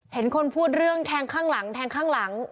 เห็นคนพูดเรื่องแทงข้างหลังแทงข้างหลัง